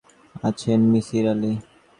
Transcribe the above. নিসার আলি গভীর আগ্রহে তাকিয়ে আছেন।